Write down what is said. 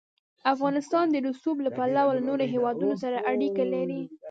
افغانستان د رسوب له پلوه له نورو هېوادونو سره اړیکې لري.